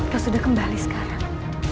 kau sudah kembali sekarang